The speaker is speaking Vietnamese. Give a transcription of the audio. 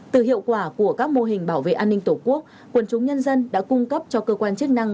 từ hiệu quả của các mô hình bảo vệ an ninh tổ quốc quần chúng nhân dân đã cung cấp cho cơ quan chức năng